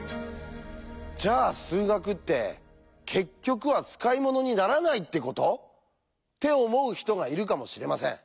「じゃあ数学って結局は使い物にならないってこと？」って思う人がいるかもしれません。